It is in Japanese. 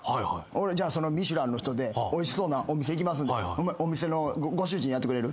俺じゃその『ミシュラン』の人でおいしそうなお店行きますんでお店のご主人やってくれる？